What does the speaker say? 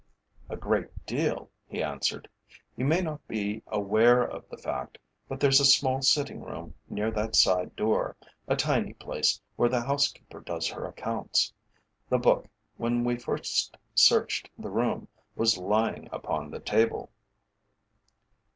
"A great deal," he answered. "You may not be aware of the fact, but there's a small sitting room near that side door a tiny place where the housekeeper does her accounts. The book, when we first searched the room, was lying upon the table."